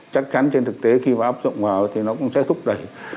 chắc chắn trên thực tế khi mà áp dụng vào thì nó cũng sẽ thúc đẩy